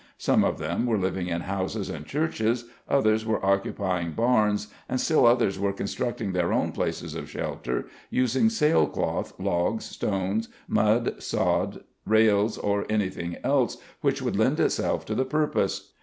Some of them were living in houses and churches, others were occupying barns and still others were constructing their own places of shelter using sail cloth, logs, stones, mud, sod, rails or anything else which would lend itself to the purpose.